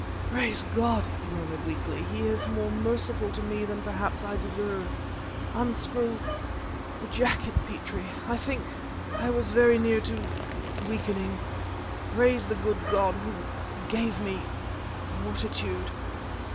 "Praise God," he murmured, weakly. "He is more merciful to me than perhaps I deserve. Unscrew... the jacket, Petrie... I think ... I was very near to.... weakening. Praise the good God, Who... gave me... fortitude..."